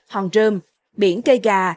hòn rơm biển cây gà